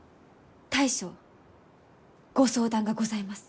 大将ご相談がございます。